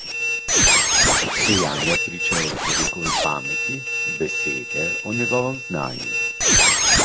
Dejanja pričajo o človekovi pameti, besede o njegovem znanju.